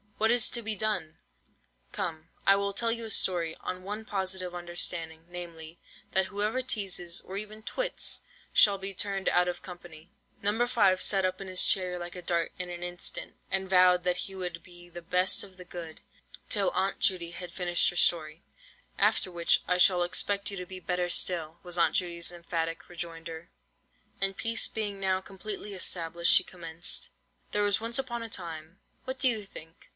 What is to be done? Come, I will tell you a story, on one positive understanding, namely, that whoever teazes, or even twits, shall be turned out of the company." No. 5 sat up in his chair like a dart in an instant, and vowed that he would be the best of the good, till Aunt Judy had finished her story. "After which—" concluded he, with a wink and another grin. "After which, I shall expect you to be better still," was Aunt Judy's emphatic rejoinder. And peace being now completely established, she commenced: "There was once upon a time—what do you think?"